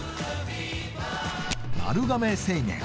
丸亀製麺